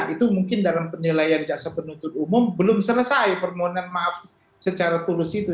itu mungkin dalam penilaian jaksa penuntut umum belum selesai permohonan maaf secara tulus itu